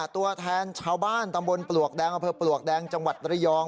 ตัวแทนชาวบ้านตำบลปลวกแดงอำเภอปลวกแดงจังหวัดระยอง